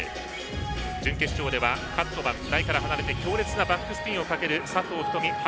準決勝ではカットマン台から離れて強烈なバックスピンをかける佐藤瞳